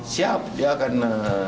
siap dia akan